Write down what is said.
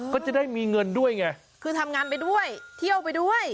ก็จะได้มีเงินด้วยไงคือทำงานไปด้วยเที่ยวไปด้วย